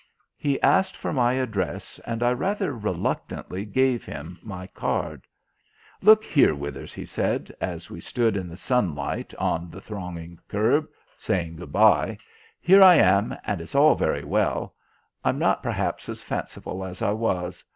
He asked for my address, and I rather reluctantly gave him my card. "Look here, Withers," he said, as we stood in the sunlight on the thronging kerb, saying good bye, "here I am, and it's all very well; I'm not perhaps as fanciful as I was.